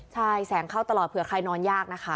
ใช่แสงเข้าตลอดเผื่อใครนอนยากนะคะ